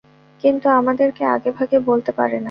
কিন্তু আমাদেরকে আগেভাগে বলতে পারে না।